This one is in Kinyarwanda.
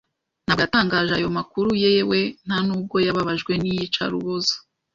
Ntabwo yatangaje ayo makuru, yewe nta nubwo yababajwe n’iyicarubozo.